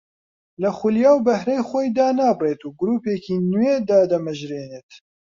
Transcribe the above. لە خولیا و بەهرەی خۆی دانابڕێت و گرووپێکی نوێ دادەمەژرێنێت